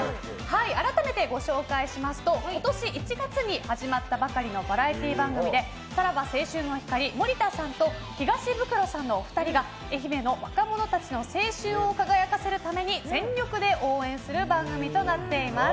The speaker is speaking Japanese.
改めてご紹介しますと今年１月に始まったばかりのバラエティー番組でさらば青春の光・森田さんと東ブクロさんのお二人が愛媛の若者たちの青春を輝かせるために全力で応援する番組となっています。